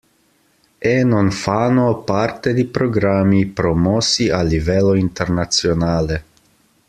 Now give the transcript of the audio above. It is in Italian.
E non fanno parte di programmi promossi a livello internazionale.